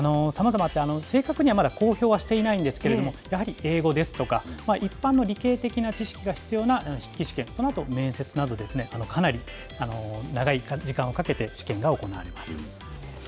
さまざまあって、正確には、まだ公表はしていないんですけれども、やはり英語ですとか、一般の理系的な知識が必要な筆記試験、そのあと面接などですね、かなり長い時間をかけて、試験が行われます。